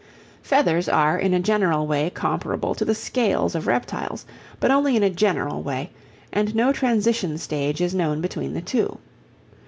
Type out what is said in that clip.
Feathers are in a general way comparable to the scales of reptiles, but only in a general way, and no transition stage is known between the two.